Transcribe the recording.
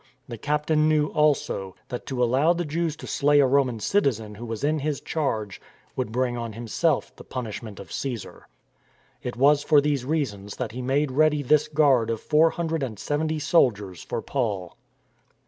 The captain knew, also, that to allow the Jews to slay a Roman citizen who was in his charge would bring on himself the punishment of Caesar. It was for these reasons that he made ready this guard of four hundred and seventy soldiers for Paul.